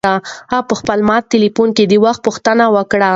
هغه په خپل مات تلیفون کې د وخت پوښتنه وکړه.